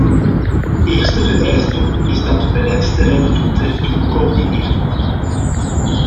De eerste vereiste is dat de beleidsterreinen doeltreffend gecoördineerd worden.